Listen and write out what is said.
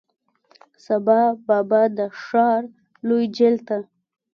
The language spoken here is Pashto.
سبا بابا د ښار لوی جیل ته،